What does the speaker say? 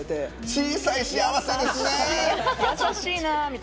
小さい幸せですね！